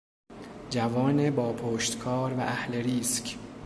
جوان با پشتکار و اهل ریسک